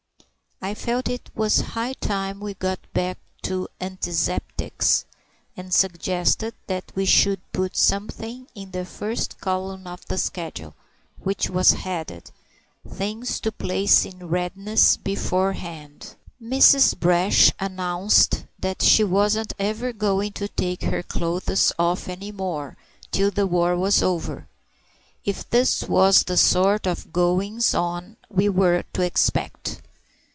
I felt it was high time we got back to "Antizeptics," and suggested that we should put something in the first column of the schedule, which was headed: "Things to place in readiness beforehand." Mrs. Brash announced that she wasn't ever going to take her clothes off any more till the war was over, if this was the sort of goings on we were to expect.